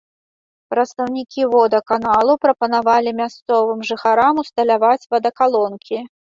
Прадстаўнікі водаканалу прапанавалі мясцовым жыхарам усталяваць вадакалонкі.